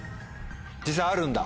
実際あるんだ？